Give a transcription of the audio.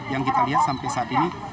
yang kita lihat sampai saat ini